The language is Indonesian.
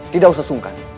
tidak usah sungkan